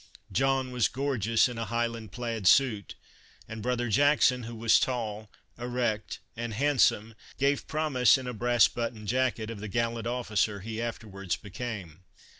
John was gorgeous in a Highland plaid suit, and brother Jackson, who was tall, erect and handsome, gave promise in a brass button jacket of the gallant officer he afterwards became.